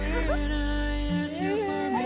lo mana reseh banget